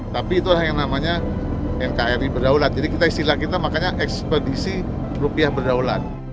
tapi itulah yang namanya nkri berdaulat jadi kita istilah kita makanya ekspedisi rupiah berdaulat